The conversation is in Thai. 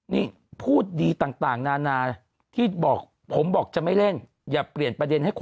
นี่พูดดีต่างนานาที่ผมบอกจะไม่เล่น